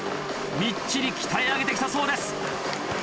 みっちり鍛え上げて来たそうです。